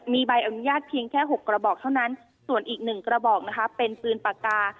มีใบอนุญาตเพียงแค่๖กระบอกเท่านั้นส่วนอีก๑กระบอกนะคะเป็นปืนปากกา